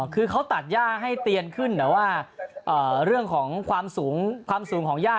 คือเขาตัดย่าให้เตียนขึ้นแต่ว่าเรื่องของความสูงความสูงของย่า